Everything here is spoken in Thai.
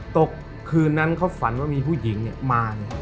ตกคืนนั้นเขาฝันว่ามีผู้หญิงมา